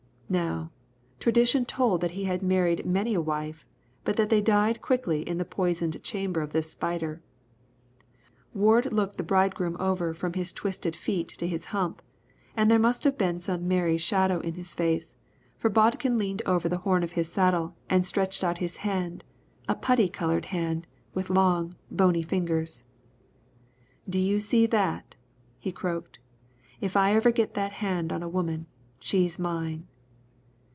Now, tradition told that he had married many a wife, but that they died quickly in the poisoned chamber of this spider. Ward looked the bridegroom over from his twisted feet to his hump, and there must have been some merry shadow in his face, for Bodkin leaned over the horn of his saddle and stretched out his hand, a putty coloured hand, with long, bony fingers. "Do you see that?" he croaked. "If I ever get that hand on a woman, she's mine."